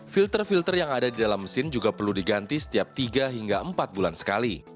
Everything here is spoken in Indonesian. filter filter yang ada di dalam mesin juga perlu diganti setiap tiga hingga empat bulan sekali